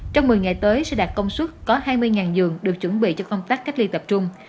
trong một mươi ngày tới sẽ đạt công suất có hai mươi giường được chuẩn bị cho công tác cách ly tập trung